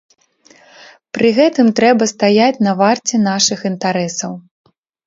Пры гэтым трэба стаяць на варце нашых інтарэсаў.